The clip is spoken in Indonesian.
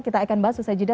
kita akan bahas usai jeda